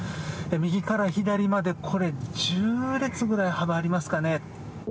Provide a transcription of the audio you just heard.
右から左までこれ１０列ぐらい幅、ありますかね。